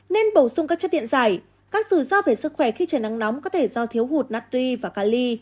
nên bổ sung các chất điện giải các rủi ro về sức khỏe khi trời nắng nóng có thể do thiếu hụt natri và cali